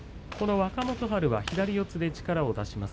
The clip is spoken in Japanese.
若元春は左四つで力を出します。